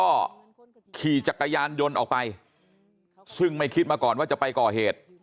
ก็ขี่จักรยานยนต์ออกไปซึ่งไม่คิดมาก่อนว่าจะไปก่อเหตุ